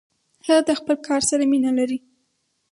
هغه د خپل کار سره مینه لري.